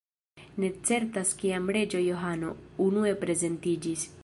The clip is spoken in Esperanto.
Ne certas kiam "Reĝo Johano" unue prezentiĝis.